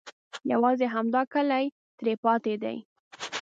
یوازې همدا کلی ترې پاتې دی.